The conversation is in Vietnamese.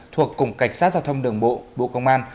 thuộc cục cảnh sát giao thông đường bộ bộ công an